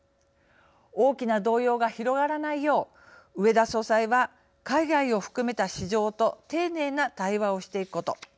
大きな動揺が広がらないよう植田総裁は、海外を含めた市場と丁寧な対話をしていくこと。